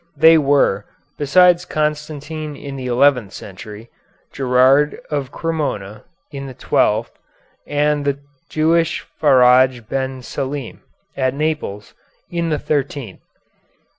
They were, besides Constantine in the eleventh century, Gerard of Cremona, in the twelfth, and the Jewish Faradj Ben Salim, at Naples, in the thirteenth.